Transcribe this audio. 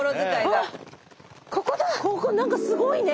ここ何かすごいね。